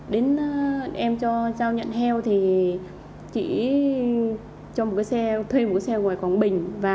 đến em cho giao nhận heo thì chị cho một cái xe thuê một cái xe gọi